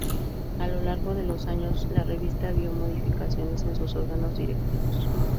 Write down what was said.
A lo largo de los años, la revista vio modificaciones en sus órganos directivos.